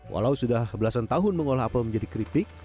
walau sudah belasan tahun mengolah apel menjadi keripik